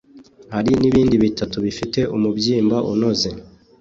Hari n’ibindi bitatu bifite umubyimba unoze